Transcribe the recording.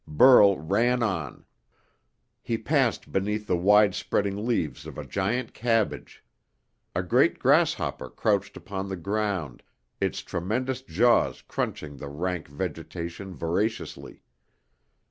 Burl ran on. He passed beneath the wide spreading leaves of a giant cabbage. A great grasshopper crouched upon the ground, its tremendous jaws crunching the rank vegetation voraciously.